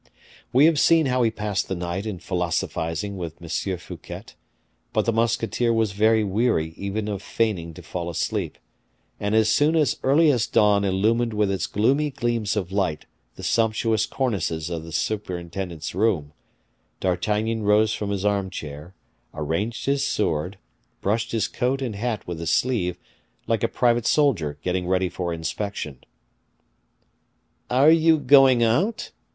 We have seen how he passed the night in philosophizing with M. Fouquet, but the musketeer was very weary even of feigning to fall asleep, and as soon as earliest dawn illumined with its gloomy gleams of light the sumptuous cornices of the superintendent's room, D'Artagnan rose from his armchair, arranged his sword, brushed his coat and hat with his sleeve, like a private soldier getting ready for inspection. "Are you going out?"